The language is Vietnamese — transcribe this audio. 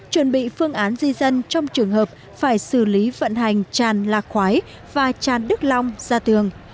chuẩn bị phương án di dân trong trường hợp phải xử lý vận hành tràn lạc khói và tràn đức long ra tường